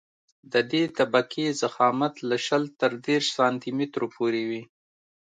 د دې طبقې ضخامت له شل تر دېرش سانتي مترو پورې وي